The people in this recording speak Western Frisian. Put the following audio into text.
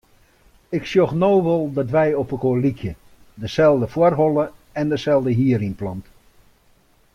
Ik sjoch no wol dat wy opelkoar lykje; deselde foarholle en deselde hierynplant.